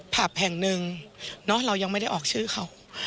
ผับแห่งหนึ่งเรายังไม่ได้ออกชื่อเขา